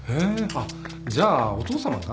あっじゃあお父さまが？